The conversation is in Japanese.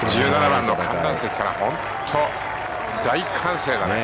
１７番の観覧席から本当、大歓声だね。